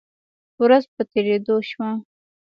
ورځ په تیریدو شوه